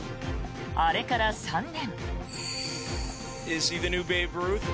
あれから３年。